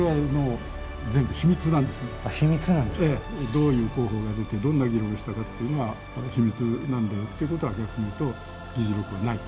どういう候補が出てどんな議論をしたかっていうのは秘密なんで。ってことは逆にいうと議事録はないと。